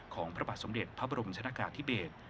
พระบาทสมเด็จพระบรมชนะกาธิเบศ